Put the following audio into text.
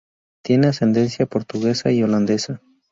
Tiene ascendencia portuguesa y holandesa.